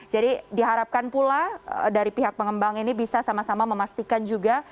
jadi diharapkan pula dari pihak pengembang ini bisa sama sama memastikan juga